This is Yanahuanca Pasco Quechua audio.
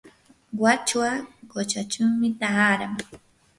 wachwa quchachawmi taaran.